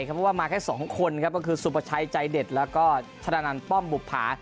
เพราะว่ามาแค่๒คนครับก็คือสุประชัยใจเด็ดแล้วก็ชนะนันป้อมบุภา